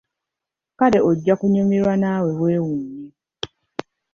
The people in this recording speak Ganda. Kale ojja kunyumirwa naawe weewuunye.